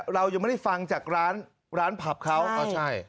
เรายังไม่ได้ฟังจากร้านร้านผับเขาอ๋อใช่